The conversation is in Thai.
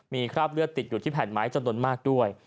มีคราบเลือดติดอยู่ที่แผ่นไม้จำนวนมากด้วย